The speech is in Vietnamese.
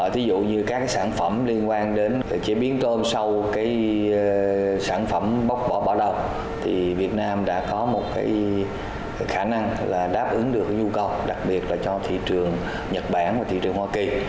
thí dụ như các sản phẩm liên quan đến chế biến tôm sau sản phẩm bóc vỏ bọc thì việt nam đã có một khả năng là đáp ứng được nhu cầu đặc biệt là cho thị trường nhật bản và thị trường hoa kỳ